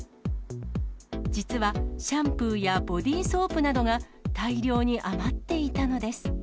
実はシャンプーやボディーソープなどが大量に余っていたのです。